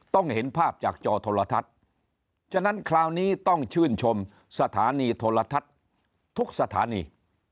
เห็นภาพจากจอโทรทัศน์ฉะนั้นคราวนี้ต้องชื่นชมสถานีโทรทัศน์ทุกสถานี